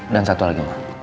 dan satu lagi ma